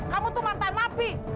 kamu tuh mantan nafi